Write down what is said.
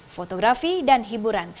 fotografi dan hiburan